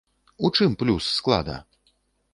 У чым плюс склада?